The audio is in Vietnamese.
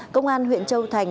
công an huyện châu thành